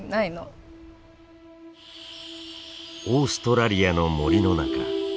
オーストラリアの森の中。